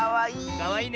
かわいいね。